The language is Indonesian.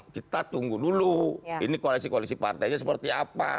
kita tunggu dulu ini koalisi koalisi partainya seperti apa